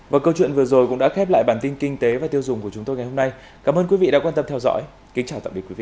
và câu chuyện vừa rồi cũng đã khép lại bản tin kinh tế và tiêu dùng của chúng tôi ngày hôm nay cảm ơn quý vị đã quan tâm theo dõi kính chào tạm biệt quý vị